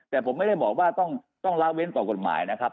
แต่ผมไม่ได้บอกว่าต้องละเว้นต่อกฎหมายนะครับ